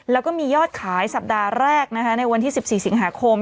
แล้วก็มียอดขายสัปดาห์แรกในวันที่๑๔สิงหาคม